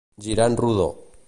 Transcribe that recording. Girar en rodó.